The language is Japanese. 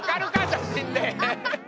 写真で。